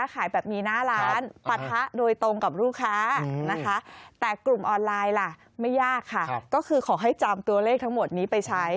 ก็คือขอให้จำตัวเลขทั้งหมดนี้ไปใช้